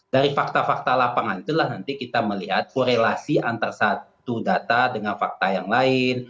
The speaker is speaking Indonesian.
dari fakta fakta lapangan itulah nanti kita melihat korelasi antara satu data dengan fakta yang lain